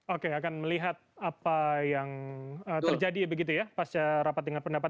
oke akan melihat apa yang terjadi begitu ya pasca rapat dengan pendapat